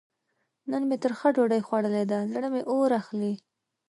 نن مې ترخه ډوډۍ خوړلې ده؛ زړه مې اور اخلي.